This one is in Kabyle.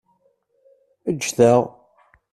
Ǧǧet-aɣ!